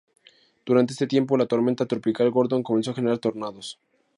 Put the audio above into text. Durante este tiempo, la tormenta tropical Gordon comenzó a generar tornados.